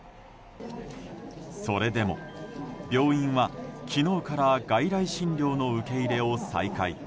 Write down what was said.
それでも病院は昨日から外来診療の受け入れを再開。